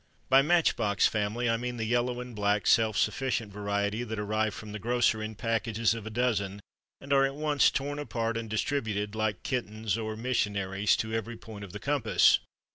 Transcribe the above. By Match box family I mean the yellow and black, self sufficient variety that arrive from the grocer in packages of a dozen and are at once torn apart and distributed (like kittens or missionaries) to every point of the compass.